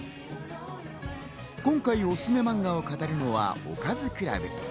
今回おすすめマンガを語るのはおかずクラブ。